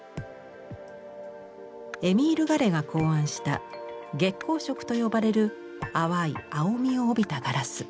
エミール・ガレが考案した月光色と呼ばれる淡い青みを帯びたガラス。